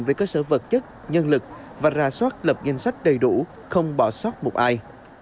về cơ sở vật chất nhân lực và ra soát lập danh sách đầy đủ không bỏ sót một ai